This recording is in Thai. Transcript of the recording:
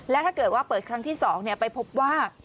และถ้าเกิดว่าเปิดครั้งที่๒ไปพบว่า